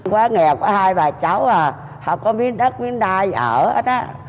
quá nghèo có hai bà cháu à học có miếng đất miếng đai vợ hết á